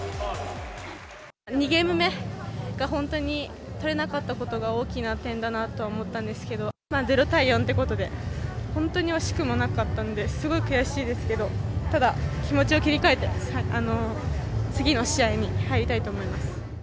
２ゲーム目が本当にとれなかったことが大きな点だなとは思ったんですけれども、０対４ということで、本当に惜しくもなかったんで、すごい悔しいですけど、ただ、気持ちを切り替えて次の試合に入りたいと思います。